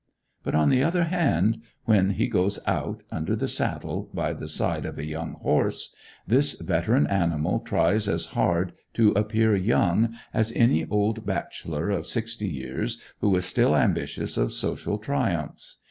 But on the other hand, when he goes out, under the saddle, by the side of a young horse, this veteran animal tries as hard to appear young as any old bachelor of sixty years who is still ambitious of social triumphs.